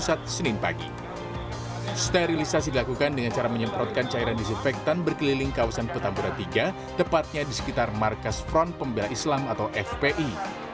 sterilisasi dilakukan dengan cara menyemprotkan cairan disinfektan berkeliling kawasan petamburan tiga tepatnya di sekitar markas front pembela islam atau fpi